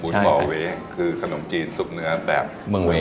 บ่อเว้งคือขนมจีนซุปเนื้อแบบเมืองเว้